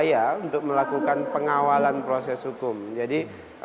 dan ketabrak kabarnya awal awal terus tidak kapal lagi